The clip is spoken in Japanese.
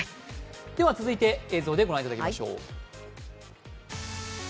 では、続いて映像でご覧いただきましょう。